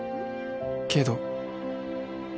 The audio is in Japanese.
けど